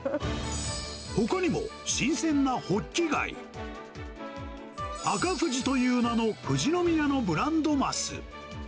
ほかにも新鮮なホッキ貝、紅富士という名のふじのみやのブランドマス。